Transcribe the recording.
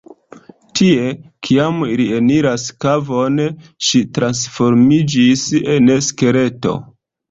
Tie, kiam ili eniras kavon, ŝi transformiĝis en skeleto.